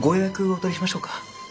お取りしましょうか？